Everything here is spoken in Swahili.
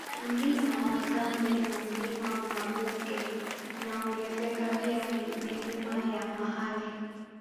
Mlima Magamba na Mlima Maguge inaongezeka pia Milima ya Mahale